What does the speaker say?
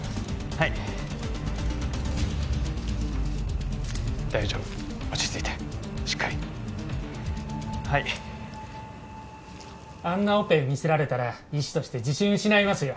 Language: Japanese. はい大丈夫落ち着いてしっかりはいあんなオペ見せられたら医師として自信失いますよ